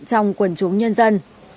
trong quần chúng nhân dân